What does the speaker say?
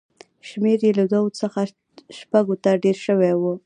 شمېر یې له دوو څخه شپږو ته ډېر شوی و.